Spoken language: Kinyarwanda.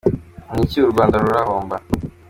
Ni iki u Rwanda rurahomba ?